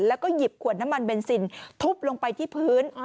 แล้วก็หยิบขวดน้ำมันเบนซินทุบลงไปที่พื้น